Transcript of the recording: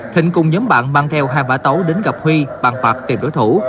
thịnh cùng nhóm bạn mang theo hai bả tấu đến gặp huy bằng bạc tìm đối thủ